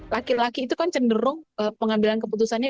laki laki itu kan cenderung pengambilan keputusannya